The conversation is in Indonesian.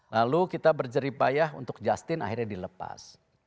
lalu kita berjeripayah untuk justin akhirnya dilepas